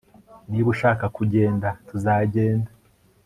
Niba ushaka kugenda tuzagenda